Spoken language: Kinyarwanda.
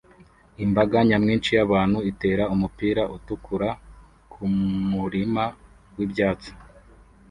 Imbaga nyamwinshi y'abantu itera umupira utukura kumurima wibyatsi